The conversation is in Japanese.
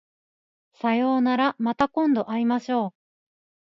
さようならまた今度会いましょう